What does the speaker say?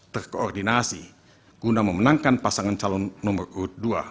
terkoordinasi guna memenangkan pasangan calon nomor urut dua